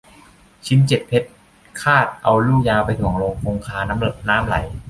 ชิ้นเจ็ดเพชรฆาฎเอาลูกยา ไปถ่วงลงคงคาน้ำไหล